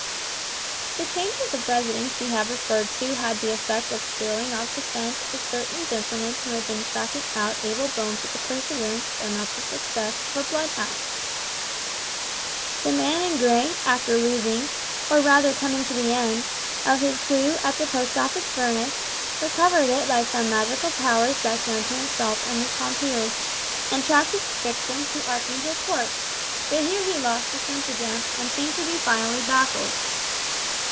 The changes of residence we have referred to had the effect of throwing off the scent a certain gentleman who had been tracking out Abel Bones with the perseverance, though not the success, of a bloodhound. The man in grey, after losing, or rather coming to the end, of his clew at the Post Office furnace, recovered it by some magical powers known best to himself and his compeers, and tracked his victim to Archangel Court, but here he lost the scent again, and seemed to be finally baffled.